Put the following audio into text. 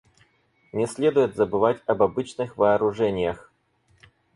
Не следует забывать об обычных вооружениях.